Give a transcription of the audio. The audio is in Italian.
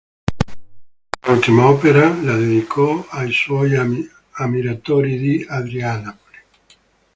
Quest'ultima opera la dedicò ai suoi ammiratori di Adrianopoli.